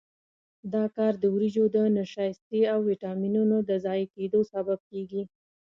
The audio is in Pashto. دا کار د وریجو د نشایستې او ویټامینونو د ضایع کېدو سبب کېږي.